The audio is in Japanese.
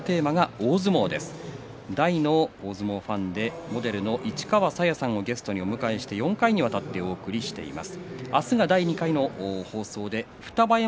大の相撲ファンでモデルの市川紗椰さんをゲストに迎えて４回にわたってお送りしています。